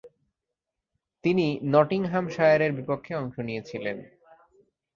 তিনি নটিংহ্যামশায়ারের বিপক্ষে অংশ নিয়েছিলেন।